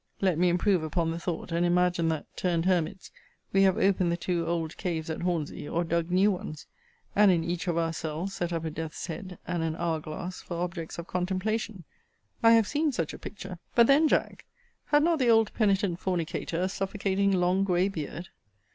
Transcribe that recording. * Ibid. Let me improve upon the thought, and imagine that, turned hermits, we have opened the two old caves at Hornsey, or dug new ones; and in each of our cells set up a death's head, and an hour glass, for objects of contemplation I have seen such a picture: but then, Jack, had not the old penitent fornicator a suffocating long grey beard?